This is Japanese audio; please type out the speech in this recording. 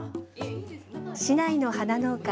市内の花農家